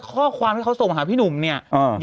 ข้อความที่เขาส่งมาหาพี่หนุ่มเนี่ย